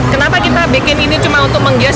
kenapa kita bikin ini cuma untuk menghias